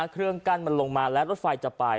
เครื่องกั้นมันลงมาแล้วรถไฟจะไป